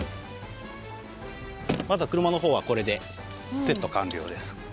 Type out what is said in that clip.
まずは車の方はこれでセット完了です。